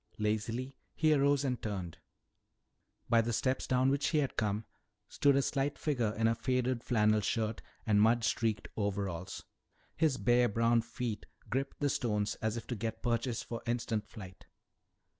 Lazily he arose and turned. By the steps down which he had come stood a slight figure in a faded flannel shirt and mud streaked overalls. His bare brown feet gripped the stones as if to get purchase for instant flight.